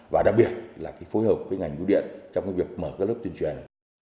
và đặc biệt là phối hợp với ngành tuyên truyền trong việc mở các lớp tuyên truyền